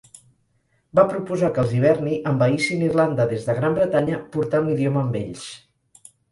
Va proposar que els iverni envaïssin Irlanda des de Gran Bretanya, portant l'idioma amb ells.